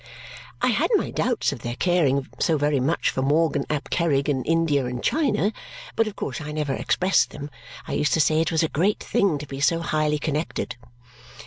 I had my doubts of their caring so very much for Morgan ap Kerrig in India and China, but of course I never expressed them. I used to say it was a great thing to be so highly connected.